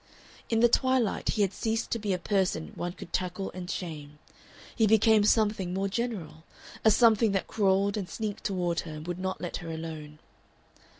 In the twilight he had ceased to be a person one could tackle and shame; he had become something more general, a something that crawled and sneaked toward her and would not let her alone....